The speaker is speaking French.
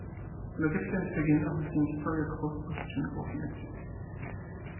Le capitaine Fegen a reçu une Victoria Cross posthume pour son action.